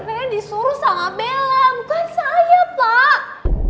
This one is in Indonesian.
pengen disuruh sama bella bukan saya pak